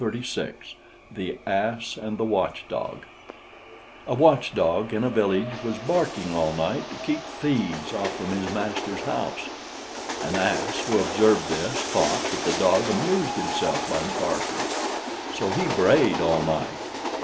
THE ASS AND THE WATCH DOG A watch dog in a village was barking all night to keep thieves off from his master's house. An ass, who observed this, thought that the dog amused himself by barking. So he brayed all night.